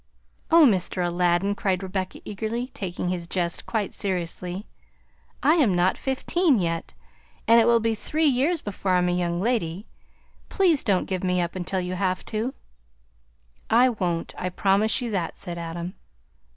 "Oh, Mr. Aladdin!" cried Rebecca eagerly, taking his jest quite seriously; "I am not fifteen yet, and it will be three years before I'm a young lady; please don't give me up until you have to!" "I won't; I promise you that," said Adam.